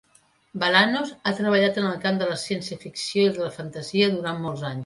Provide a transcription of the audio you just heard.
Balanos ha treballat en el camp de la ciència ficció i de la fantasia durant molts anys.